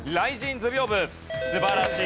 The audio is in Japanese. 素晴らしい。